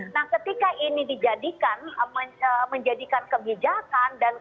nah ketika ini dijadikan menjadikan kebijakan